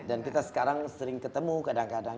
dan kita sekarang sering ketemu kadang kadang